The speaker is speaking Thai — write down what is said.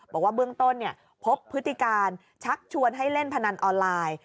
บอกว่าเบื้องต้นพบพฤติการชักชวนให้เล่นพนันออนไลน์